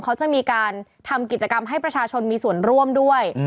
เขาจะมีการทำกิจกรรมให้ประชาชนมีส่วนร่วมด้วย